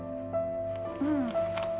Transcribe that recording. うん。